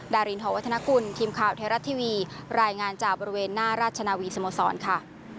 ดารินหอวัฒนกุลทีมข่าวไทยรัฐทีวีรายงานจากบริเวณหน้าราชนาวีสโมสรค่ะ